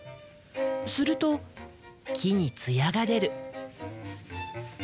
すると木に艶が出る。